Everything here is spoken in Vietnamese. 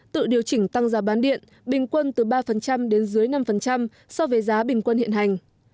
tự điều chỉnh tăng giá bán điện bình quân từ ba đến dưới năm so với giá bình quân hiện hành